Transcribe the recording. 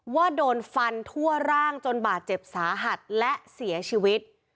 ว่าโดนฟันทั่วร่างจนบาดเจ็บสาหัสและเสียชีวิต